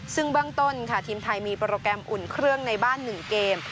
ซึ่งเบื้องต้นค่ะทีมไทยมีโปรแกรมอุ่นเครื่องในบ้าน๑เกม